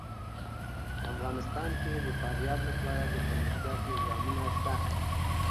افغانستان کې د فاریاب لپاره دپرمختیا پروګرامونه شته.